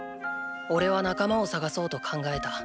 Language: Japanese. おれは仲間を探そうと考えた。